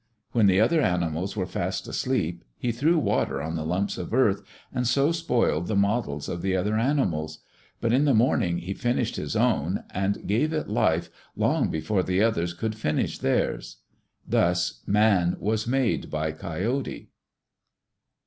When the other animals were fast asleep he threw water on the lumps of earth, and so spoiled the models of the other animals. But in the morning he finished his own, and gave it life long before the others could finish theirs. Thus man was made by Coyote.